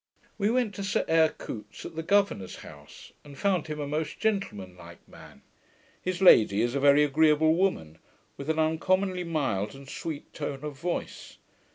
We went to Sir Eyre Coote's, at the governour's house, and found him a most gentleman like man. His lady is a very agreeable woman, with an uncommonly mild and sweet tone of voice.